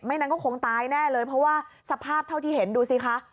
นั้นก็คงตายแน่เลยเพราะว่าสภาพเท่าที่เห็นดูสิคะ